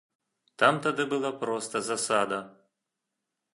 Там тады была проста засада.